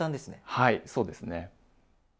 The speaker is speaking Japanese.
はいそうですね。